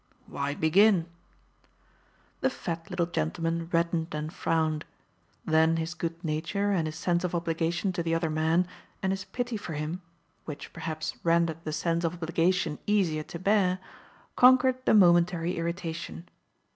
"Why begin?" The fat little gentleman reddened and frowned. Then his good nature, and his sense of obligation to the other man, and his pity for him (which, perhaps, rendered the sense of obligation easier to bear) conquered the momentary irritation.